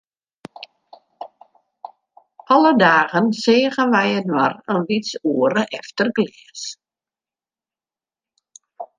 Alle dagen seagen wy inoar in lyts oere, efter glês.